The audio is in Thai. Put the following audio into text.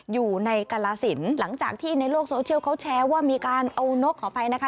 อยู่ในกรสินหลังจากที่ในโลกโซเชียลเขาแชร์ว่ามีการเอานกขออภัยนะคะ